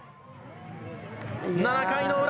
７回の裏。